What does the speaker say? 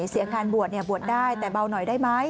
เสียการบวชบวชได้แต่เบาหน่อยได้ไหม